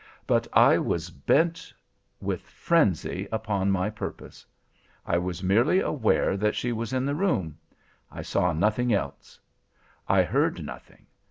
But I was bent with frenzy upon my purpose. I was merely aware that she was in the room. I saw nothing else. I heard nothing.